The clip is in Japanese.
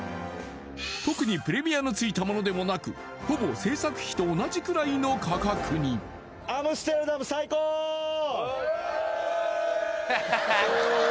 特にプレミアのついたものでもなくほぼ製作費と同じくらいの価格にイエーイ！